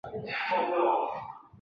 有效瓦解群众暴力攻击